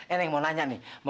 eh neng mau nanya nih